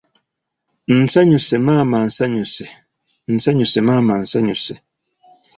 Nsanyuse maama nsanyuse nsanyuse maama nsanyuse